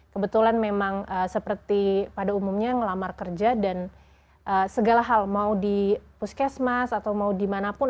kebetulan memang seperti pada umumnya ngelamar kerja dan segala hal mau di puskesmas atau mau dimanapun